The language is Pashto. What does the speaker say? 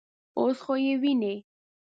_اوس خو يې وينې.